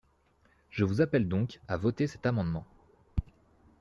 Je vous appelle donc à voter cet amendement.